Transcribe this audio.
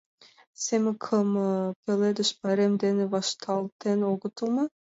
Семыкым Пеледыш пайрем дене вашталтен огытыл мо?